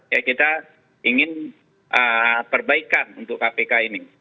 ya kita ingin perbaikan untuk kpk ini